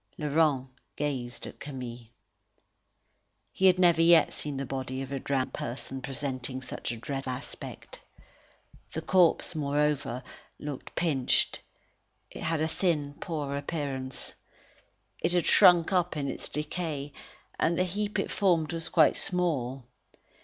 Laurent gazed at Camille. He had never yet seen the body of a drowned person presenting such a dreadful aspect. The corpse, moreover, looked pinched. It had a thin, poor appearance. It had shrunk up in its decay, and the heap it formed was quite small.